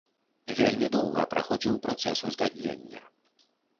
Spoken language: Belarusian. Вельмі доўга праходзіў працэс узгаднення.